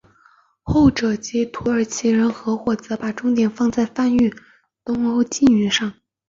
后者即土耳其人团伙则把重点放在贩运东欧妓女上。